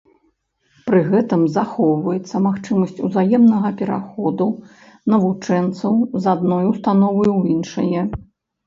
Пры гэтым захоўваецца магчымасць узаемнага пераходу навучэнцаў з адной установы ў іншае.